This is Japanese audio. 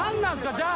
じゃあ！」